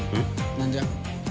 なんじゃ？）